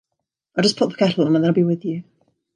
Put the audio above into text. I'll just pop the kettle on and then I'll be with you.